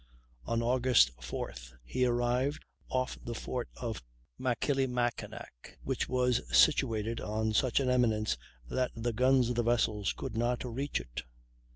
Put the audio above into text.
On Aug. 4th he arrived off the fort of Machilimacinac (Mackinaw), which was situated on such an eminence that the guns of the vessels could not reach it.